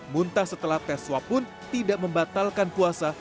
muntah setelah tes swab pun tidak membatalkan puasa